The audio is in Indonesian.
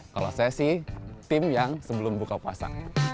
kalau saya sih tim yang sebelum buka puasa